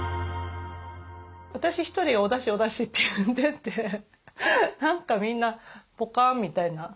私一人おだしおだしって言ってて何かみんなポカーンみたいな。